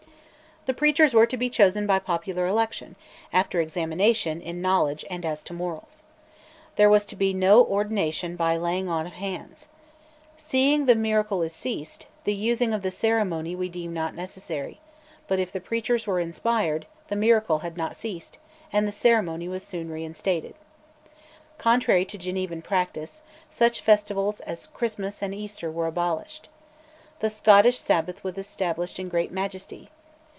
The preachers were to be chosen by popular election, after examination in knowledge and as to morals. There was to be no ordination "by laying on of hands." "Seeing the miracle is ceased, the using of the ceremony we deem not necessary"; but, if the preachers were inspired, the miracle had not ceased, and the ceremony was soon reinstated. Contrary to Genevan practice, such festivals as Christmas and Easter were abolished. The Scottish Sabbath was established in great majesty.